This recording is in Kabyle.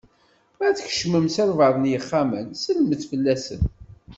Ma tkecmem s albaɛḍ n yexxamen, sellmet fell-asen.